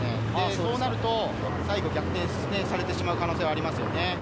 そうなると再度逆転されてしまう可能性がありますよね。